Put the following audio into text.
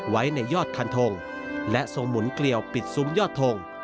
ไว้ในยอดคันทงและทรงหมุนเกลียวปิดซุ้มยอดทง